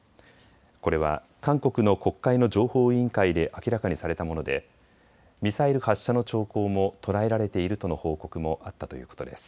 これは韓国の国会の情報委員会で明らかにされたものでミサイル発射の兆候も捉えられているとの報告もあったということです。